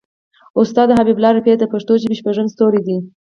استاد حبیب الله رفیع د پښتو ژبې شپږم ستوری دی.